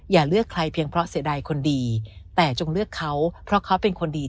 อย่าเลือกใครเพียงเพราะเสียดายคนดีแต่จงเลือกเขาเพราะเขาเป็นคนดี